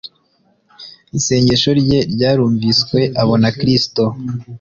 isengesho rye ryarumviswe. Abona Kristo